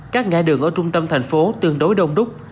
các ngã đường ở trung tâm thành phố tương đối đông đúc